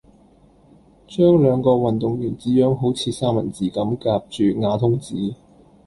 將兩個運動員紙樣好似三文治咁夾住瓦通紙